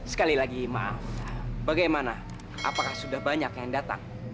sekali lagi maaf bagaimana apakah sudah banyak yang datang